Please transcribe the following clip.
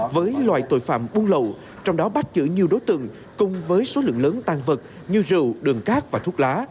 với loại tội phạm buôn lậu trong đó bắt giữ nhiều đối tượng cùng với số lượng lớn tan vật như rượu đường cát và thuốc lá